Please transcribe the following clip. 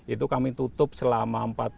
itu kami tutup selama empat puluh lima